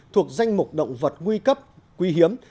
thuộc danh mục động vật nguy cấp quý hiếm